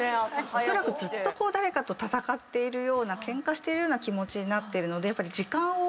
おそらくずっと誰かと闘っているようなケンカしてるような気持ちになってるのでやっぱり時間を。